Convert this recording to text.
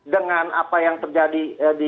dengan apa yang terjadi